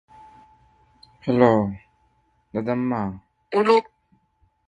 This statement suggests that the government sees the policy as problematic or undesirable.